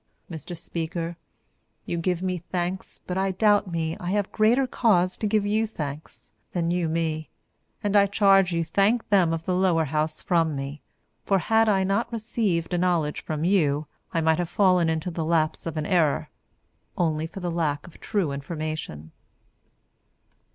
Mr Speaker, you give me thanks but I doubt me I have greater cause to give you thanks, than you me, and I charge you to thank them of the Lower House from me. For had I not received a knowledge from you, I might have fallen into the lapse of an error, only for lack of true information.